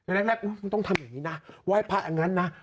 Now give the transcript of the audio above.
อย่างแรกมึงต้องทำอย่างนี้นะไว้พาดอย่างงั้นนะ